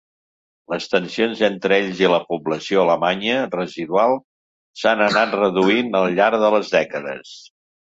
Les tensions entre ells i la població alemanya residual s'han anat reduint al llarg de les dècades.